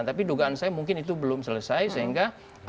tapi dugaan saya mungkin itu belum selesai sehingga